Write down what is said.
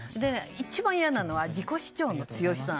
一番嫌なのは自己主張の強い人。